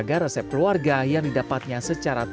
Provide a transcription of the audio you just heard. ya resep gitu aja